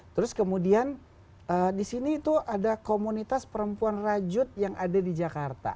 terus kemudian disini tuh ada komunitas perempuan rajut yang ada di jakarta